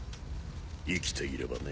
生きていればね。